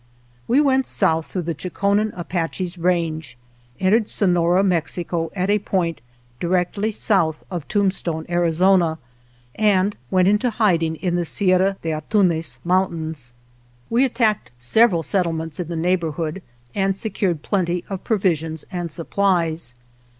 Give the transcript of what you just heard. We went south through the Chokonen Apaches' range, entered Sonora, Mexico, at a point directly south of Tombstone, Ari zona, and went into hiding in the Sierra de Antunez Mountains. We attacked several settlements in the neighborhood and secured plenty of provi sions and supplies.